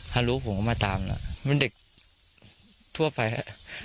ถ้ารู้ผมก็มาตามแล้วมันเด็กทั่วไปครับ